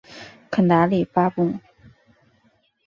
肯达里分布。